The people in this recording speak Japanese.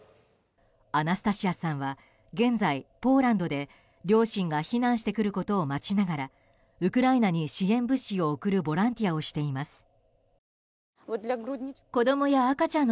アナスタシアさんは現在、ポーランドで両親が避難してくることを待ちながらウクライナに支援物資を送るボランティアをしています。